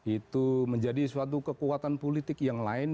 itu menjadi suatu kekuatan politik yang lain